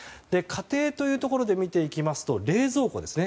家庭というところで見ていきますと、冷蔵庫です。